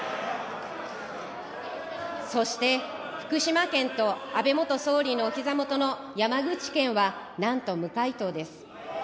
そして、福島県と、安倍元総理のおひざ元の山口県は、なんと無回答です。